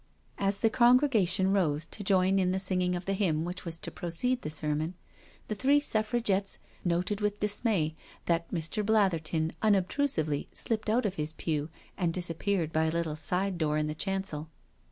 As the congregation rose to join in the singing of the hymn which was to precede the sermon, the three Suffragettes noted with dismay that Mr. Blatherton unobtrusively slipped out of his pew and disappeared by a little side door in the chancel.